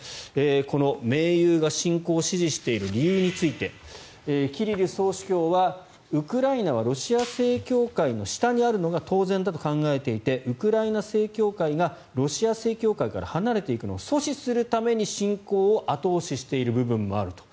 この盟友が侵攻を支持している理由についてキリル総主教は、ウクライナはロシア正教会の下にあるのが当然だと考えていてウクライナ正教会がロシア正教会から離れていくのを阻止するために侵攻を後押ししている部分もあると。